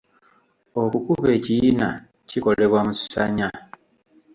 Okukuba ekiyina kikolebwa mu ssanya.